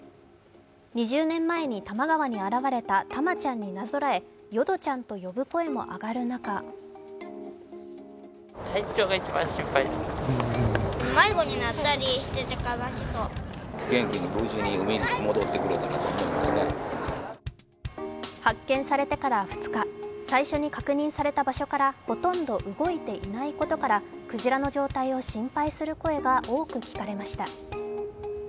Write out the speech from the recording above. ２０年前に多摩川に現れたタマちゃんになぞらえヨドちゃんと呼ぶ声も上がる中発見されてから２日、最初に確認された場所からほとんど動いていないことからクジラの状態を心配する声が多く聞かれました。